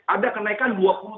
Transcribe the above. ada kenaikan rp dua triliunan